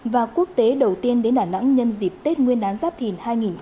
và quốc tế đầu tiên đến đà nẵng nhân dịp tết nguyên đán giáp thìn hai nghìn hai mươi bốn